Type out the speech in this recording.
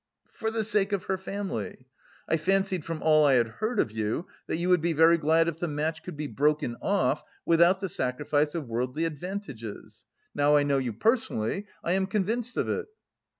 for the sake of her family. I fancied from all I had heard of you that you would be very glad if the match could be broken off without the sacrifice of worldly advantages. Now I know you personally, I am convinced of it."